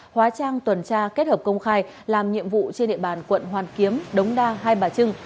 hóa trang tuần tra kết hợp công khai làm nhiệm vụ trên địa bàn quận hoàn kiếm đống đa hai bà trưng